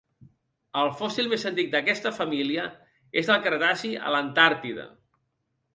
El fòssil més antic d'aquesta família és del Cretaci a l'Antàrtida.